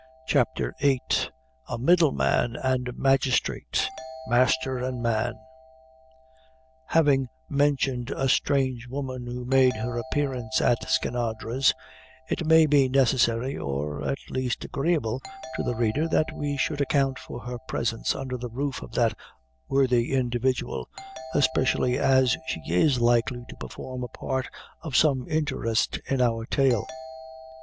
CHAPTER VIII. A Middle Man and Magistrate Master and Man. Having mentioned a strange woman who made her appearance at Skinadre's, it may be necessary, or, at least, agreeable to the reader, that we should account for her presence under the roof of that worthy individual, especially as she is likely to perform a part of some interest in our tale.